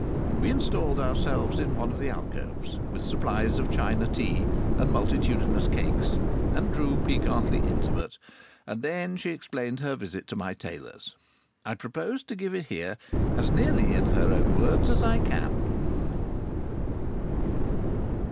We installed ourselves in one of the alcoves, with supplies of China tea and multitudinous cakes, and grew piquantly intimate, and then she explained her visit to my tailor's. I propose to give it here as nearly in her own words as I can.